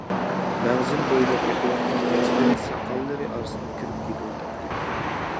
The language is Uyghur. مەڭزىنى بويلاپ ئېقىۋاتقان ياشلىرى ساقاللىرى ئارىسىغا كىرىپ كېتىۋاتاتتى.